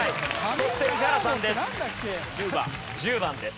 そして宇治原さんです。